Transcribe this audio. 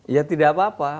ya tidak apa apa